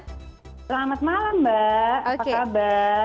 selamat malam mbak apa kabar